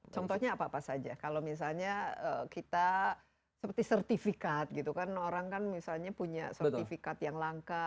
contohnya apa apa saja kalau misalnya kita seperti sertifikat gitu kan orang kan misalnya punya sertifikat yang langka